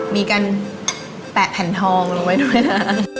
มีการแปะแผ่นทองลงไว้ด้วยนะ